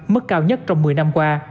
mức cao nhất trong một mươi năm